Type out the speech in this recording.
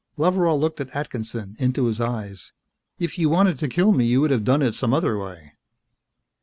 Loveral looked at Atkinson, into his eyes. "If you wanted to kill me, you could have done it some other way."